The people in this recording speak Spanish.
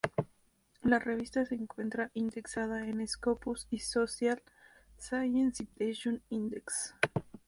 La revista se encuentra indexada en Scopus y Social Sciences Citation Index.